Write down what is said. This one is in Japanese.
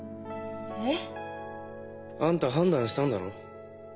えっ？あんた判断したんだろ？